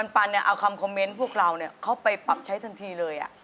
ปันเอาคำคอมเมนต์พวกเราเข้าไปปรับใช้ทันทีเลย